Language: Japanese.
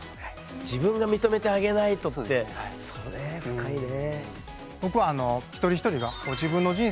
自分が認めてあげないとってそうね深いね。